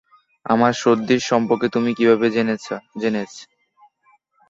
আমার সর্দি সম্পর্কে তুমি কীভাবে জেনেছ?